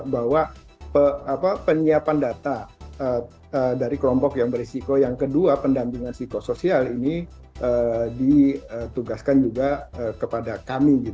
bahwa penyiapan data dari kelompok yang berisiko yang kedua pendampingan psikosoial ini ditugaskan juga kepada kami